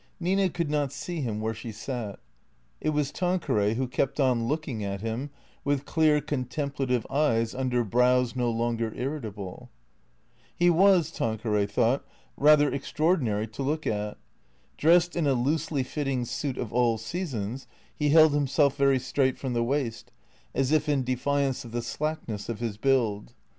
Nina could not see him where she sat. It was Tanqueray who kept on looking at him with clear, contemplative eyes under brows no longer irritable. He was, Tanqueray thought, rather extraordinary to look at. Dressed in a loosely fitting suit of all seasons, he held himself very straight from the waist, as if in defiance of the slackness of his build.